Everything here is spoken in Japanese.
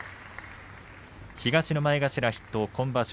東の前頭筆頭、今場所